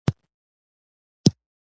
د ذهن ټولې دروازې یې په یو وار